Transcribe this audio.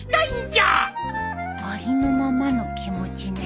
ありのままの気持ちね。